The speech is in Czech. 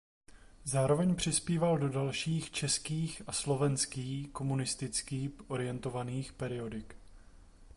Zároveň přispíval do dalších českých a slovenský komunistický orientovaných periodik.